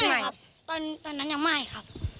แต่ก็นานแล้วใช่มั้ยครับ